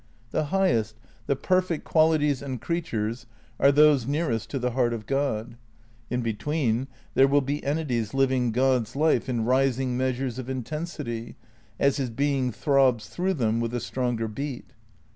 The highest, the perfect qualities and creatures are those nearest to the heart of God. In between there will be entities living God's life in rising measures of intensity, as his being throbs through them with a stronger beat.